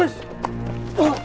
saya akan menang